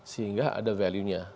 sehingga ada value nya